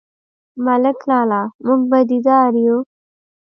_ملک لالا، موږ بدي دار يو؟